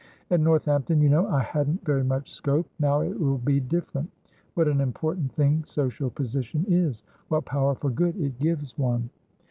"At Northampton, you know, I hadn't very much scope; now it will be different. What an important thing social position is! What power for good it gives one!"